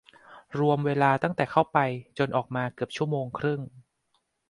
รวมเวลาตั้งแต่เข้าไปจนออกมาเกือบชั่วโมงครึ่ง